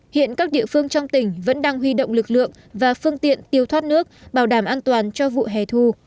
hiện các địa phương trong tỉnh vẫn đang huy động lực lượng và phương tiện tiêu thoát nước bảo đảm an toàn cho vụ hè thu